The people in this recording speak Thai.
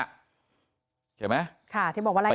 ขอบคุณเลยนะฮะคุณแพทองธานิปรบมือขอบคุณเลยนะฮะ